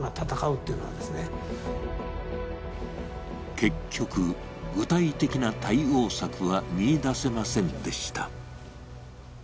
結局、具体的な対応策は見いだせませんでした。